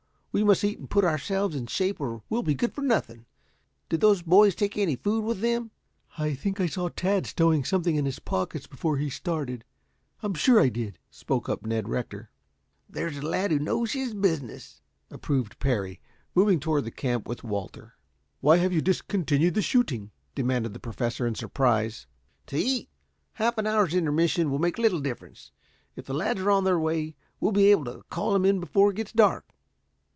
We must eat and put ourselves in shape or we'll be good for nothing. Did those boys take any food with them?" "I think I saw Tad stowing something in his pockets before he started. I'm sure I did," spoke up Ned Rector. "There's a lad who knows his business," approved Parry, moving toward the camp with Walter. "Why have you discontinued the shooting?" demanded the Professor in surprise. "To eat. Half an hour's intermission will make little difference. If the lads are on their way, we'll be able to call them in before it gets dark.